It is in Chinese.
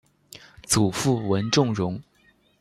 祖父文仲荣。